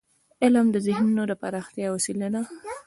علم د ذهنونو د پراختیا وسیله ده.